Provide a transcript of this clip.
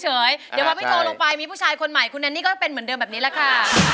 เดี๋ยวพอพี่โตลงไปมีผู้ชายคนใหม่คุณแนนนี่ก็เป็นเหมือนเดิมแบบนี้แหละค่ะ